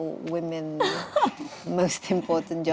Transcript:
pekerjaan yang paling penting